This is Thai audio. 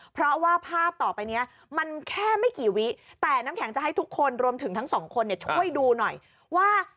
เพราะว่าภาพต่อไปนี้มันแค่ไม่กี่วิแต่น้ำแข็งจะให้ทุกคนรวมถึงทั้งสองคนช่วยดูหน่อยว่า